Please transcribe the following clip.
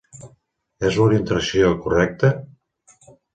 És l'orientació correcta?